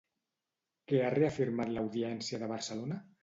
Què ha reafirmat l'audiència de Barcelona?